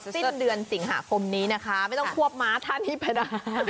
สิ้นเดือนสิงหาคมนี้นะคะไม่ต้องควบม้าท่านนี้ไปได้